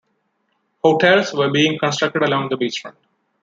Hotels were being constructed along the beachfront.